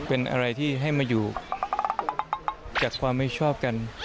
เป็นอะไรที่ให้มาอยู่จากความไม่ชอบกัน